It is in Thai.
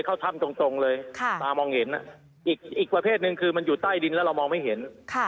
ค่ะตามองเห็นอ่ะอีกอีกประเภทหนึ่งคือมันอยู่ใต้ดินแล้วเรามองไม่เห็น